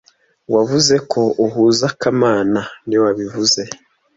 Wavuze ko uhuze kamana niwe wabivuze